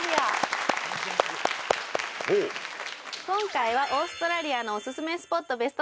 今回はオーストラリアのおすすめスポット